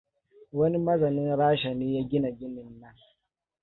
Wani mazanin Rasha ne ya gina ginin nan.